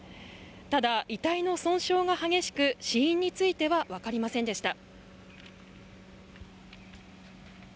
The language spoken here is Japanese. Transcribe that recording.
ただ遺体の損傷が激しく、死因については分かりませんでした。